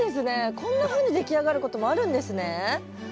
こんなふうにでき上がることもあるんですね。